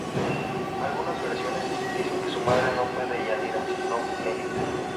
Algunas versiones dicen que su madre no fue Deyanira sino Melita.